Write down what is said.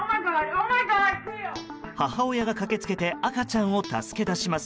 母親が駆けつけて赤ちゃんを助け出します。